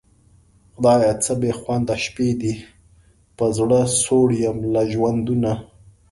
خدایه څه بېخونده شپې دي په زړه سوړ یم له ژوندونه